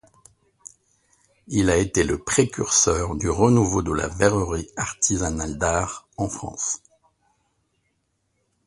Il a été le précurseur du renouveau de la verrerie artisanale d'art en France.